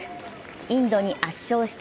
インドに圧勝した